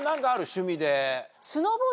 趣味で。